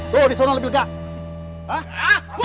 tuh disana lebih lega ha